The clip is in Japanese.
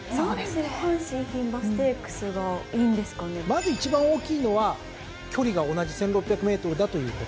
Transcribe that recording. まず一番大きいのは距離が同じ１，６００ｍだということ。